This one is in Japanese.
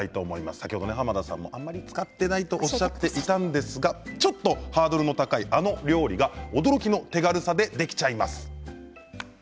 先ほど、濱田さんはあまり使っていないとおっしゃっていたんですがちょっとハードルの高いあの料理が驚きの手軽さでできちゃいます。